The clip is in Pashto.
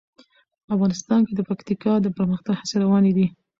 افغانستان کې د پکتیکا د پرمختګ هڅې روانې دي.